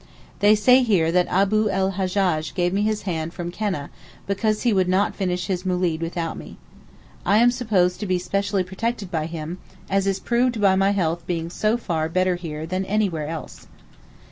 They say here that Abu l Hajjaj gave me his hand from Keneh, because he would not finish his moolid without me. I am supposed to be specially protected by him, as is proved by my health being so far better here than anywhere else.